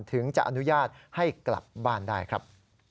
ถึงจะอนุญาตให้กลับบ้านได้ครับ